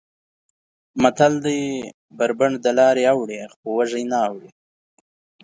متل دی: بر بنډ دلارې اوړي خو وږی نه اوړي.